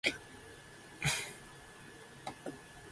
悲しみを乗り越えた先には、絶対に希望がある